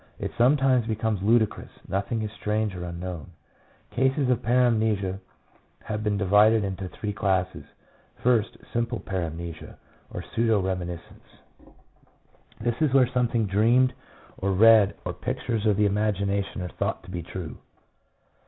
It sometimes becomes ludicrous, nothing is strange or unknown. Cases of paramnesia have been divided into three classes. 1 First, simple paramnesia, or pseudo remi niscence ; this is where something dreamed or read, or pictures of the imagination are thought to be true.